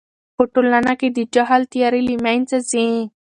په ټولنه کې د جهل تیارې له منځه ځي.